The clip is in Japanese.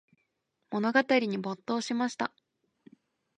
物語に没頭しました。